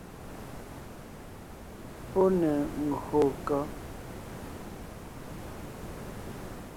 Pɔ́ ne ngÿô kɔ́?